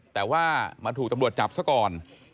แต่ว่ามาถูกตำรวจจับซะก่อน